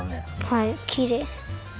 はいきれい。